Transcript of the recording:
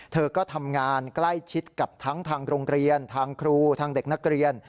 เธอก็ทำงานใกล้ชิดกับทั้งทางโรงเรียนทางครูทางเด็กนักเรียน